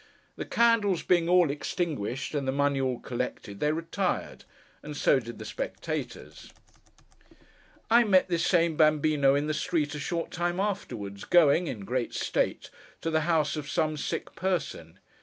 The candles being all extinguished, and the money all collected, they retired, and so did the spectators. I met this same Bambíno, in the street a short time afterwards, going, in great state, to the house of some sick person.